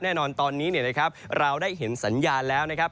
แน่นอนตอนนี้นะครับเราได้เห็นสัญญาณแล้วนะครับ